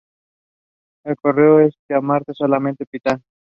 Lo correcto es llamarle solamente Pital.